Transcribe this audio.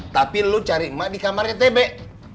tapi lu cari mak di kamarnya tebek